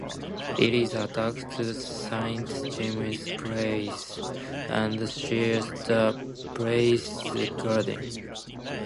It is attached to Saint James's Palace and shares the palace's garden.